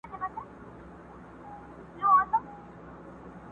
دیدن په لک روپۍ ارزان دی؛